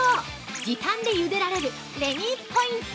時短でゆでられるレミーポイント。